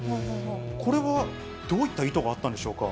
これはどういった意図があったのでしょうか。